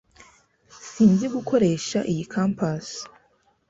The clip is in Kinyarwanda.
Sinzi gukoresha iyi compas.